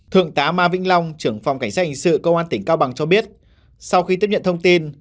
thượng tá ma vĩnh long trưởng phòng cảnh sát hình sự công an tỉnh cao bằng cho biết sau khi tiếp nhận thông tin